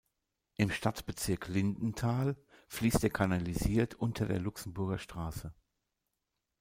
Im Stadtbezirk Lindenthal fließt er kanalisiert unter der Luxemburger Straße.